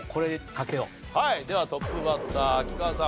ではトップバッター秋川さん